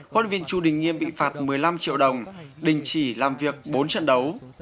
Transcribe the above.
huấn viên chu đình nghiêm bị phạt một mươi năm triệu đồng đình chỉ làm việc bốn trận đấu